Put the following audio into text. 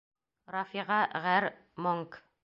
Рафиға ғәр. монг.